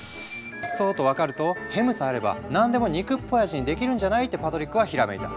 そうと分かるとヘムさえあれば何でも肉っぽい味にできるんじゃない？ってパトリックはひらめいた。